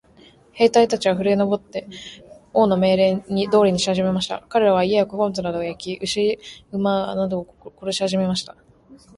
兵隊たちはふるえ上って、王の命令通りにしはじめました。かれらは、家や穀物などを焼き、牛馬などを殺しはじめました。